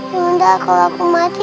yunda kalau aku mati